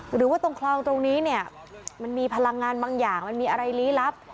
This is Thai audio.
หรือว่าตรงคลองตรงนี้เนี่ยมันมีพลังงานบางอย่างมันมีอะไรลี้ลับ